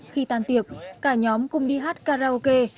khi tàn tiệc cả nhóm cùng đi hát karaoke